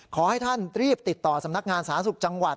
ขอให้ท่านรีบติดต่อสำนักงานสาธารณสุขจังหวัด